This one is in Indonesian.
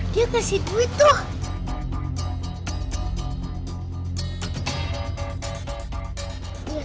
dia kasih duit tuh